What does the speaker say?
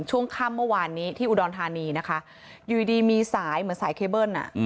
ช่วงค่ำเมื่อวานนี้ที่อุดรธานีนะคะอยู่ดีมีสายเหมือนสายเคเบิ้ล